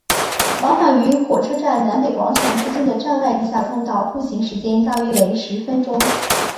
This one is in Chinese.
往返于火车站南北广场之间的站外地下通道步行时间大约为十分钟。